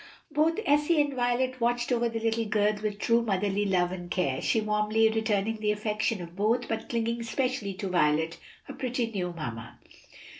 Both Elsie and Violet watched over the little girl with true motherly love and care; she warmly returning the affection of both, but clinging especially to Violet, her "pretty new mamma."